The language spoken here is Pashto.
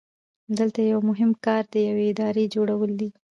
دلته یو مهم کار د یوې ادارې جوړول دي.